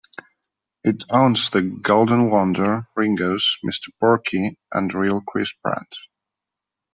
It owns the Golden Wonder, Ringos, Mr. Porky and Real Crisp brands.